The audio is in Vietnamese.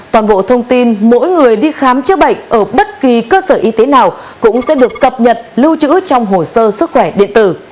toàn bộ thông tin mỗi người đi khám chữa bệnh ở bất kỳ cơ sở y tế nào cũng sẽ được cập nhật lưu trữ trong hồ sơ sức khỏe điện tử